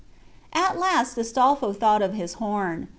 At last Astolpho thought of his horn.